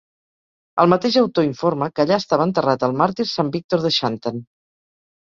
El mateix autor informa que allà estava enterrat el màrtir sant Víctor de Xanten.